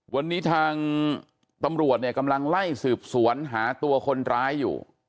วันนี้ทางตำรวจเนี่ยกำลังไล่สืบสวนหาตัวคนร้ายอยู่